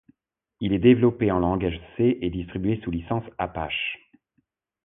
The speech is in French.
Il est développé en langage C et distribué sous licence Apache.